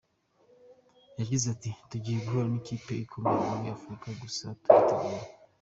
Yagize ati “Tugiye guhura n’ikipe ikomeye muri Afurika, gusa turiteguye.